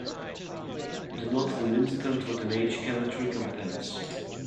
Do not in an instant what an age cannot recompense.